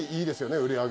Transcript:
売り上げ。